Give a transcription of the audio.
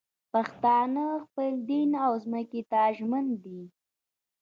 پښتانه خپل دین او ځمکې ته ژمن دي